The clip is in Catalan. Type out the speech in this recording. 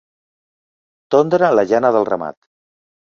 Tondre la llana del ramat.